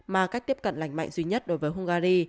mà cách tiếp cận lành mạnh duy nhất đối với hungary